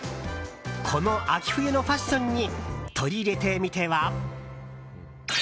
この秋冬のファッションに取り入れてみては？